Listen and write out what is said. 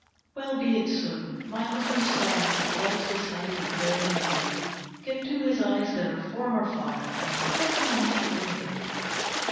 "Well be it so. My husband's sire, Hath lost his sight and fair domain, Give to his eyes their former fire, And place him on his throne again."